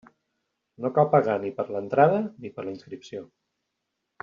No cal pagar ni per l'entrada ni per la inscripció.